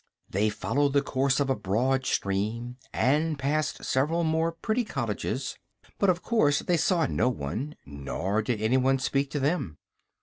They followed the course of a broad stream and passed several more pretty cottages; but of course they saw no one, nor did any one speak to them.